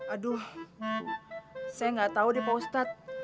aduh saya gak tau deh pak ustadz